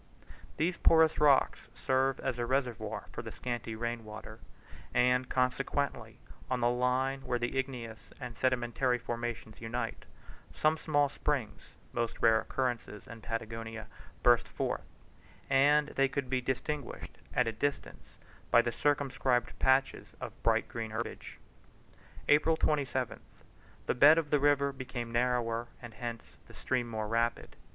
These porous rocks serve as a reservoir for the scanty rain water; and consequently on the line where the igneous and sedimentary formations unite, some small springs (most rare occurrences in Patagonia) burst forth; and they could be distinguished at a distance by the circumscribed patches of bright green herbage. April 27th. The bed of the river became rather narrower and hence the stream more rapid.